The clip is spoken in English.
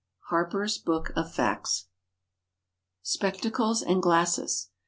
Harper's "Book of Facts." =Spectacles and Glasses.